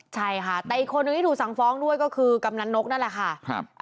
ใช่ค่ะแต่อีกคนนึงที่ถูกสั่งฟ้องด้วยก็คือกำนันนกนั่นแหละค่ะ